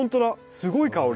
すごい香り。